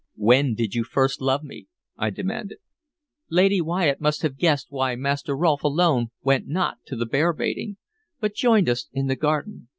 "When did you first love me?" I demanded. "Lady Wyatt must have guessed why Master Rolfe alone went not to the bear baiting, but joined us in the garden.